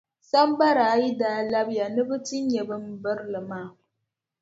Sambara ayi maa daa labiya ni bɛ ti nya bimbirili maa.